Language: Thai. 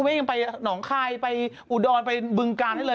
คุณแม่ยังไปหนองไคร่ไปอุดอนไปบึงการได้เลย